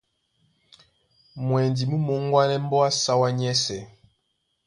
Mwɛndi mú mōŋgwanɛɛ́ mbóa á sáwá nyɛ́sɛ̄.